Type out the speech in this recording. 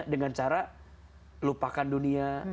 dengan cara lupakan dunia